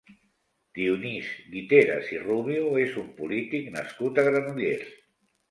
Dionís Guiteras i Rubio és un polític nascut a Granollers.